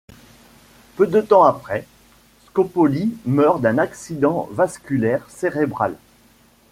Peu de temps après, Scopoli meurt d'un accident vasculaire cérébral.